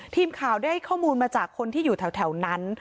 ทีมข่าวได้ข้อมูลมาจากคนที่อยู่แถวนั้น